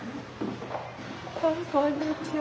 こんにちは。